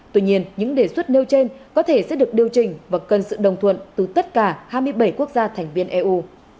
tuy nhiên những đề xuất nêu trên có thể sẽ được điều chỉnh và cần sự đồng thuận từ tất cả hai mươi bảy quốc gia thành viên eu